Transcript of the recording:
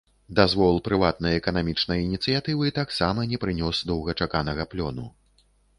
Дазвол прыватнай эканамічнай ініцыятывы таксама не прынёс доўгачаканага плёну.